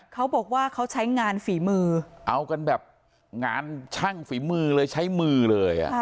เขาบอกว่าเขาใช้งานฝีมือเอากันแบบงานช่างฝีมือเลยใช้มือเลย